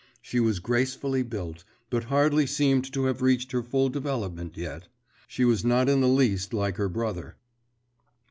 She was gracefully built, but hardly seemed to have reached her full development yet. She was not in the least like her brother.